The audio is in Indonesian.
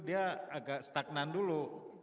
dia agak stagnan dulu